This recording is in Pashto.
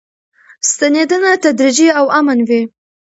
ستنېدنه تدریجي او امن وي.